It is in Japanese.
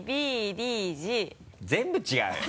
全部違うよ。